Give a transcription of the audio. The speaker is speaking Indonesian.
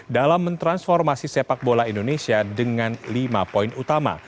dalam mentransformasi sepak bola indonesia dengan lima poin utama